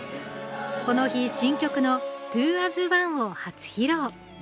この日、新曲の「ＴｗｏａｓＯｎｅ」を初披露。